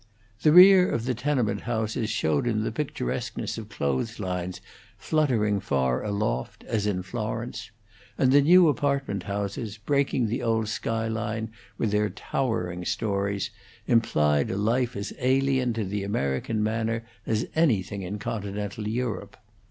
The rear of the tenement houses showed him the picturesqueness of clothes lines fluttering far aloft, as in Florence; and the new apartment houses, breaking the old sky line with their towering stories, implied a life as alien to the American manner as anything in continental Europe.